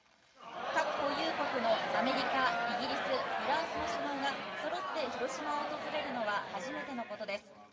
核保有国のアメリカ、イギリス、フランスの首脳がそろって広島を訪れるのは初めてのことです。